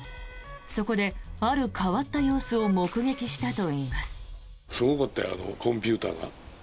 そこで、ある変わった様子を目撃したといいます。